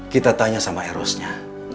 kita tanya sama erosnya